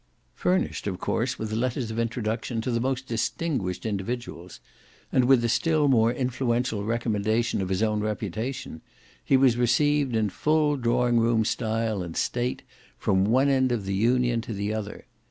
Furnished, of course, with letters of introduction to the most distinguished individuals, and with the still more influential recommendation of his own reputation, he was received in full drawing room style and state from one end of the Union to the other.